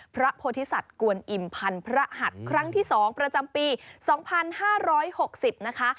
พระโพธิสัตว์กวนอิ่มพันธ์พระหัสครั้งที่๒ประจำปี๒๕๖๐นะคะ